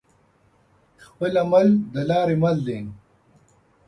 خپل عمل دلاری مل دی